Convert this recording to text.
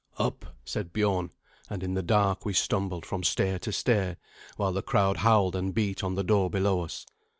"Up," said Biorn; and in the dark we stumbled from stair to stair, while the crowd howled and beat on the door below us.